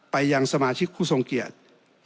ไปยังสมาชิกผู้ทรงเกียรติ